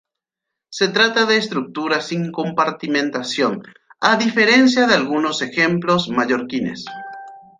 Se trata de estructuras sin compartimentación, a diferencia de algunos ejemplos mallorquines.